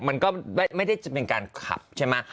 มันก็ไม่ได้จะเป็นการขับใช่ไหม